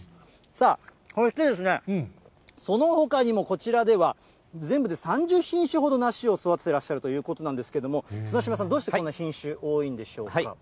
さあ、そしてですね、そのほかにもこちらでは、全部で３０品種ほど、梨を育てていらっしゃるということなんですけども、綱嶋さん、どうして多いんでしょうか。